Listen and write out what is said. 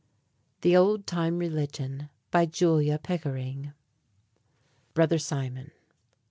THE OLD TIME RELIGION. BY JULIA PICKERING. _Brother Simon.